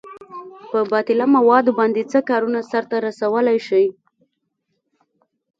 په باطله موادو باندې څه کارونه سرته رسولئ شئ؟